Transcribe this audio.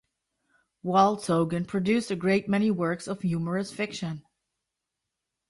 Wolzogen produced a great many works of humorous fiction.